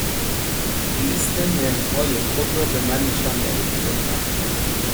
لیست نرخ های خود را به من نشان دهید، لطفا.